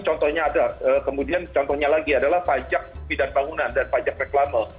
contohnya ada kemudian contohnya lagi adalah pajak bidan bangunan dan pajak reklama